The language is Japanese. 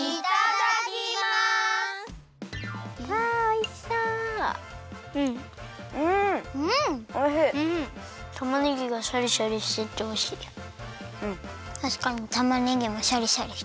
たしかにたまねぎもシャリシャリしてる。